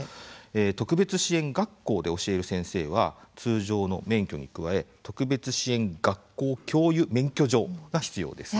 特別支援学校で教える先生は通常の免許に加え特別支援学校教諭免許状が必要です。